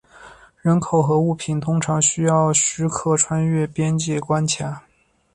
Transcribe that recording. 人口和物品通常需要许可穿越边界关卡。